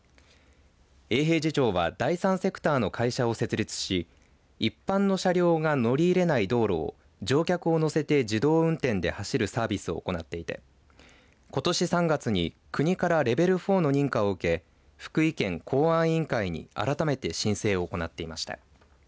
永平寺町は第３セクターの会社を設立し一般の車両が乗り入れない道路を乗客を乗せて自動運転で走るサービスを行っていてことし３月に国からレベル４の認可を受け福井県公安委員会に改めて申請を行っていました。